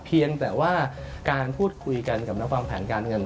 เพียงแต่ว่าการพูดคุยกันกับนักวางแผนการเงิน